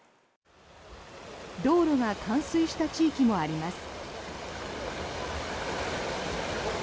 道路が冠水した地域もあります。